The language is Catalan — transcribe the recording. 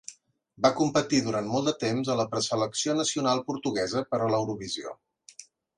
Va competir durant molt de temps a la preselecció nacional portuguesa per a l'Eurovisió.